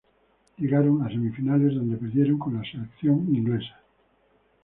Llegaron a semifinales donde perdieron con la selección inglesa.